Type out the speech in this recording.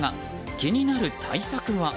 気になる対策は？